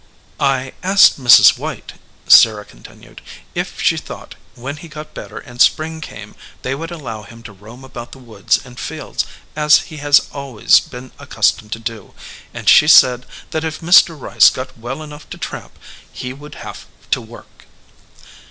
"I asked Mrs. White," Sarah continued, "if she thought, when he got better and spring came, they would allow him to roam about the woods and fields, as he has always been accustomed to do, and she said that if Mr. Rice got well enough to tramp, he would have to work."